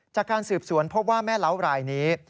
จากการสืบสวนพบว่าแม่เล้ารายนี้